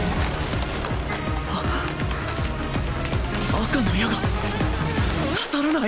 赤の矢が刺さらない！？